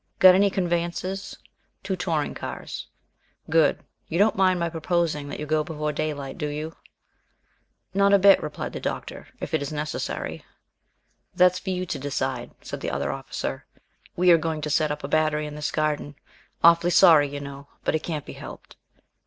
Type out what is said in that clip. "Got any conveyances?" "Two touring cars." "Good. You don't mind my proposing that you go before daylight, do you?" "Not a bit," replied the Doctor, "if it is necessary." "That's for you to decide," said the other officer. "We are going to set up a battery in this garden. Awfully sorry, you know, but it can't be helped."